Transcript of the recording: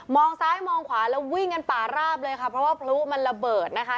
ซ้ายมองขวาแล้ววิ่งกันป่าราบเลยค่ะเพราะว่าพลุมันระเบิดนะคะ